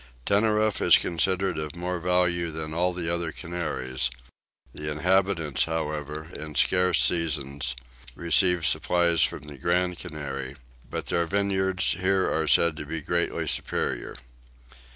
Tenerife is considered of more value than all the other Canaries: the inhabitants however, in scarce seasons, receive supplies from the Grand Canary; but their vineyards here are said to be greatly superior.